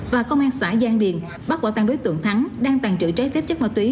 và công an xã giang điền bắt quả tăng đối tượng thắng đang tàn trữ trái phép chất ma túy